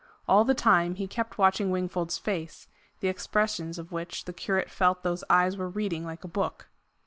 All the time, he kept watching Wingfold's face, the expressions of which the curate felt those eyes were reading like a book.